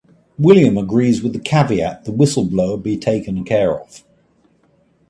William agrees with the caveat the whistleblower be taken care of.